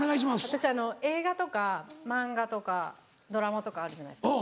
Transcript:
私映画とか漫画とかドラマとかあるじゃないですか